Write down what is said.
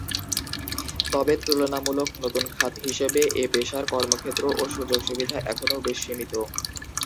তবে, তুলনামূলক নতুন খাত হিসেবে এ পেশার কর্মক্ষেত্র ও সুযোগ-সুবিধা এখনও বেশ সীমিত।